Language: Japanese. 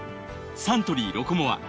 サントリー「ロコモア」